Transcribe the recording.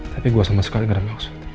tapi gue sama sekali gak ada maksud